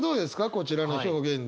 こちらの表現で。